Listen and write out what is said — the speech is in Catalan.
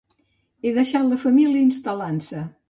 He deixat la família instal·lant-se.